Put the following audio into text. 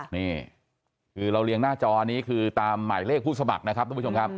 นี่คือเราเรียงหน้าจอนี้คือตามหมายเลขผู้สมัครนะครับทุกผู้ชมครับ